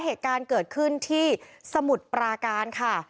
เหตุการณ์เกิดขึ้นที่สมุทรปราการค่ะ